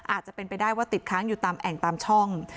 อาจจะเป็นไปได้ว่าติดค้างอยู่ตามแอ่งตามช่อง